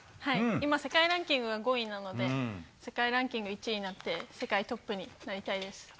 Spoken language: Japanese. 今、世界ランキング５位なので世界ランキング１位になって世界トップになりたいです。